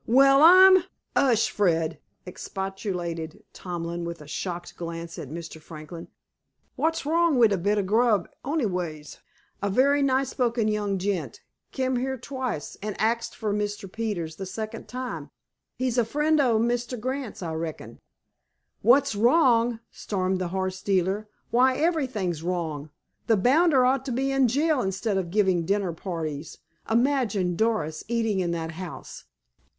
"Well, I'm—" "'Ush, Fred!" expostulated Tomlin with a shocked glance at Mr. Franklin. "Wot's wrong wi' a bit of grub, ony ways? A very nice spoken young gent kem 'ere twiced, an' axed for Mr. Peters the second time. He's a friend o' Mr. Grant's, I reckon." "What's wrong?" stormed the horse dealer. "Why, everything's wrong! The bounder ought to be in jail instead of giving dinner parties. Imagine Doris eating in that house!"